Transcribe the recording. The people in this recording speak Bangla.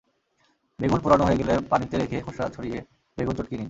বেগুন পোড়ানো হয়ে গেলে পানিতে রেখে খোসা ছড়িয়ে বেগুন চটকিয়ে নিন।